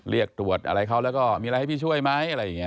เรียกตรวจอะไรเขาแล้วก็มีอะไรให้พี่ช่วยไหมอะไรอย่างนี้